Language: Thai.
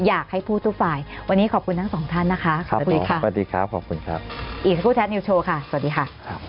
อยากให้พูดทุกฝ่ายวันนี้ขอบคุณทั้งสองท่านนะคะสวัสดีค่ะอีกทั้งคู่แชทนิวโชว์ค่ะสวัสดีค่ะ